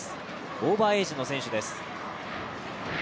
オーバーエージの選手です。